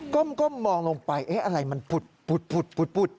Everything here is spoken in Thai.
ก้มมองลงไปอะไรมันปุด